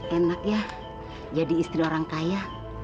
enak ya jadi istri orang kaya